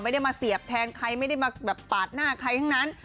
ไม่ได้มาเสียบแทงใครไม่ได้มาแบบปาดหน้าใครทั้งนั้น